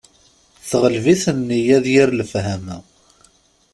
Teɣleb-iten nniya d yir lefhama.